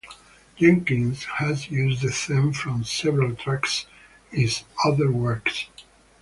Jenkins has used the theme from several tracks in his other works.